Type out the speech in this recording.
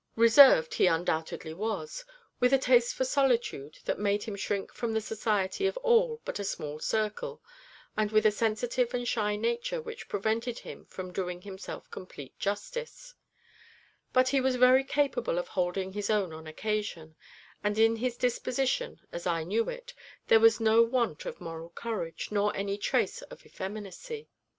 Reserved he undoubtedly was, with a taste for solitude that made him shrink from the society of all but a small circle, and with a sensitive and shy nature which prevented him from doing himself complete justice; but he was very capable of holding his own on occasion, and in his disposition, as I knew it, there was no want of moral courage, nor any trace of effeminacy.